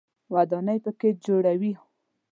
ودانۍ په کې جوړوي.